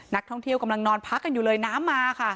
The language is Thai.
นักท่องเที่ยวกำลังนอนพักกันอยู่เลยน้ำมาค่ะ